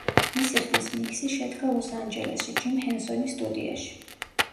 მისი ხმის მიქსი შედგა ლოს ანჯელესში, ჯიმ ჰენსონის სტუდიაში.